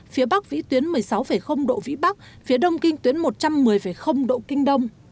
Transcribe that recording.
phía bắc vĩ tuyến một mươi sáu độ vĩ bắc phía đông kinh tuyến một trăm một mươi độ kinh đông